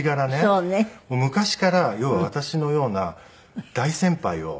昔から要は私のような大先輩を。